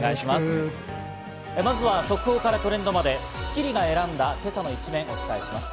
まずは速報からトレンドまで『スッキリ』が選んだ今朝の一面、お伝えします。